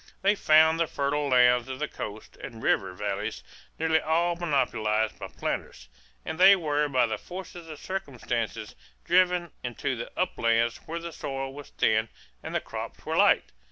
They found the fertile lands of the coast and river valleys nearly all monopolized by planters, and they were by the force of circumstances driven into the uplands where the soil was thin and the crops were light.